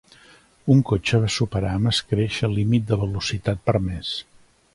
Un cotxe va superar amb escreix el límit de velocitat permès.